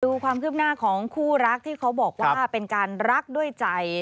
ดูความคืบหน้าของคู่รักที่เขาบอกว่าเป็นการรักด้วยใจ